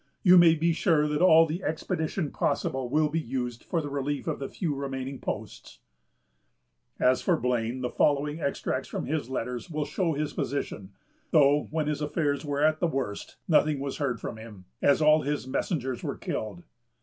You may be sure that all the expedition possible will be used for the relief of the few remaining posts." As for Blane, the following extracts from his letters will show his position; though, when his affairs were at the worst, nothing was heard from him, as all his messengers were killed.